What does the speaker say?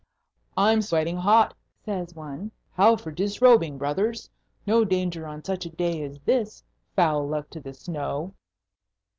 "I'm sweating hot," says one. "How for disrobing, brothers? No danger on such a day as this, foul luck to the snow!"